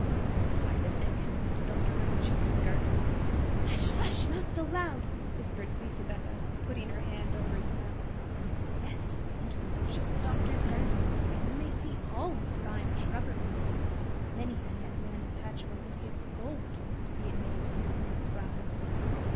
"A private entrance into Dr. Rappaccini's garden?" "Hush! hush! not so loud!" whispered Lisabetta, putting her hand over his mouth. "Yes; into the worshipful doctor's garden, where you may see all his fine shrubbery. Many a young man in Padua would give gold to be admitted among those flowers."